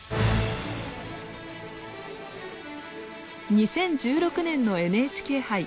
２０１６年のＮＨＫ杯。